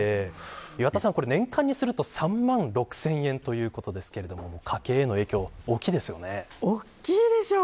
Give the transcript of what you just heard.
岩田さん、年間にすると３万６０００円ということですけれども大きいでしょう。